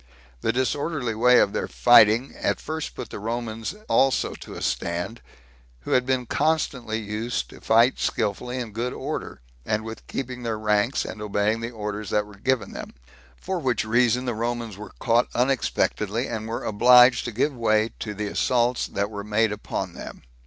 The disorderly way of their fighting at first put the Romans also to a stand, who had been constantly used to fight skillfully in good order, and with keeping their ranks, and obeying the orders that were given them; for which reason the Romans were caught unexpectedly, and were obliged to give way to the assaults that were made upon them.